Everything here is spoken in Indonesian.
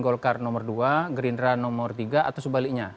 golkar nomor dua gerindra nomor tiga atau sebaliknya